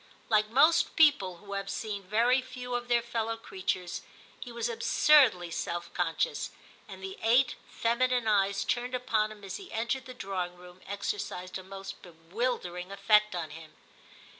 Like most people who have seen very few of their fellow creatures, he was absurdly self conscious, and the eight femi nine eyes turned upon him as he entered the drawing room exercised a most bewilder ing effect on him.